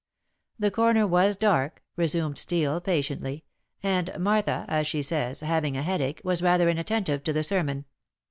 "The corner was dark," resumed Steel patiently, "and Martha, as she says, having a headache, was rather inattentive to the sermon.